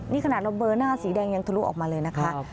นี่ขนาดเราเบอร์หน้าสีแดงยังทะลุออกมาเลยนะคะ